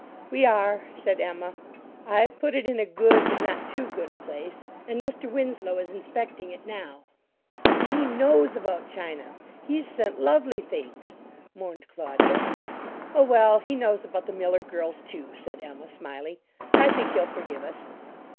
"We are," said Emma. "I've put it in a good but not too good a place, and Mr. Winslow is inspecting it now." "And he knows about china; he's sent lovely things," mourned Claudia. "Oh, well, he knows about the Miller girls, too," said Emma, smiling; "I think he'll forgive us."